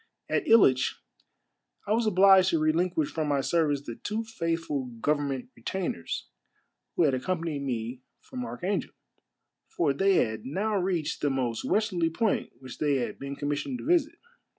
At Hitch I was obliged to relinquish from my service the two faithful govern ment retainers who had accompanied me from Archangel, for they had now reached the most westerly point which they had been commissioned to visit.